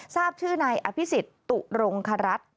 ทราบชื่อนายอภิษฎตุรงครัฐ